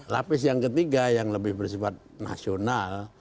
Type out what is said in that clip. lapis yang ketiga yang lebih bersifat nasional